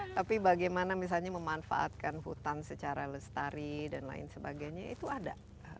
tapi bagaimana misalnya memanfaatkan hutan secara lestari dan lain sebagainya itu ada